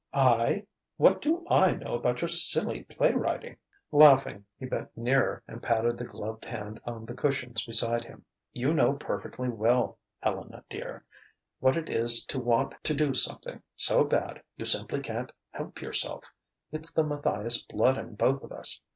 "I? What do I know about your silly playwriting?" Laughing, he bent nearer and patted the gloved hand on the cushions beside him. "You know perfectly well, Helena dear, what it is to want to do something so bad you simply can't help yourself. It's the Matthias blood in both of us.